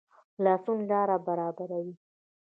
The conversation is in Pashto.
خلاصون لاره برابروي